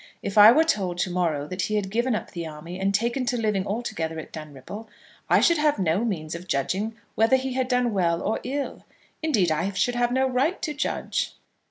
If I were told to morrow that he had given up the army and taken to living altogether at Dunripple, I should have no means of judging whether he had done well or ill. Indeed, I should have no right to judge."